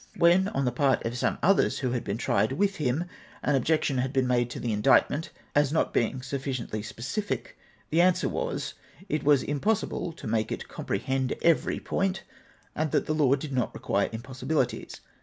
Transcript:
When, on the part of some others who had been tried with him, an objection had been made to the indictment as not being sufficiently specific, the answer was, it was impossible to make it comprehend every point, and that the law did not require impossibilities.